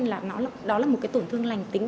là đó là một tổn thương lành tính